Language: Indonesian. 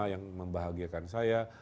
yang membahagiakan saya